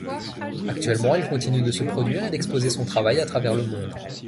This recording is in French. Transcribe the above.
Actuellement elle continue de se produire et d'exposer son travail à travers le monde.